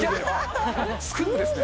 スクープですね。